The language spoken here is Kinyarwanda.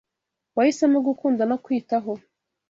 Wahisemo gukunda no kwitaho